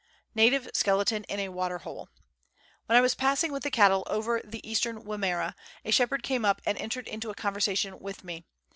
Native Skeleton in a Waterhole. When I was passing with the cattle over the Eastern Wimmera, a shepherd came up and entered into conversation with me.